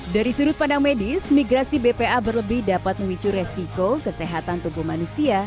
dari sudut pandang medis migrasi bpa berlebih dapat memicu resiko kesehatan tubuh manusia